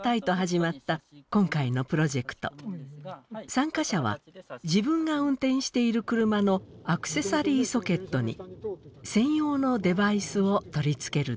参加者は自分が運転している車のアクセサリーソケットに専用のデバイスを取り付けるだけ。